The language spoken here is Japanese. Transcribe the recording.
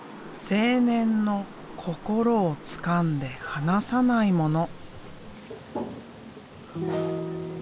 青年の心をつかんで離さないもの。